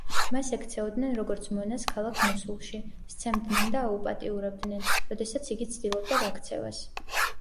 მას ექცეოდნენ როგორც მონას ქალაქ მოსულში, სცემდნენ და აუპატიურებდნენ, როდესაც იგი ცდილობდა გაქცევას.